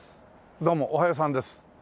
どうもおはようさんです。